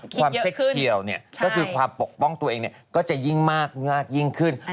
เซ็กเขียวก็คือความปกป้องตัวเองก็จะยิ่งมากยิ่งขึ้น